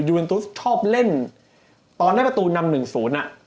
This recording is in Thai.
ยูนทูศชอบเล่นตอนได้ประตู๕๑๐อะ